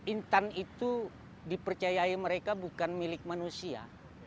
intan itu dipercayai mereka bukan milik manusia